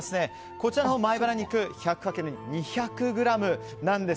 こちらの前バラ肉１００かける２２００ｇなんです。